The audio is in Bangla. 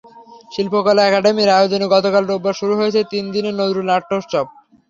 শিল্পকলা একাডেমীর আয়োজনে গতকাল রোববার শুরু হয়েছে তিন দিনের নজরুল নাট্যোৎসব।